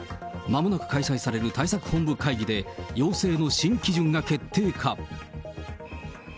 まもなく開催される対策本部会議で、要請の新基準が決定か。